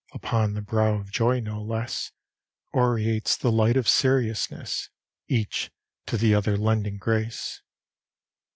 Upon, the brow of joy no less Aureates the light of seriousness! Each to the other lending grace.